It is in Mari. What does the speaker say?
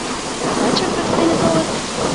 Тачак кастене толыт?